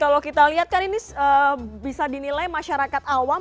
kalau kita lihat kan ini bisa dinilai masyarakat awam